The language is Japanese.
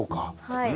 はい。